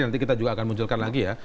nanti kita juga akan munculkan lagi ya